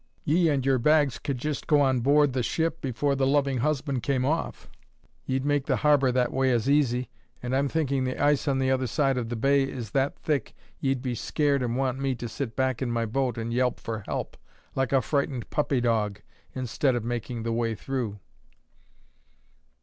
"Ye and yer bags could jist go on board the ship before the loving husband came off; ye'd make the harbour that way as easy, and I'm thinking the ice on the other side of the bay is that thick ye'd be scared and want me to sit back in my boat and yelp for help, like a froightened puppy dog, instead of making the way through."